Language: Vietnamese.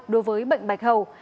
đối với bệnh bạch hầu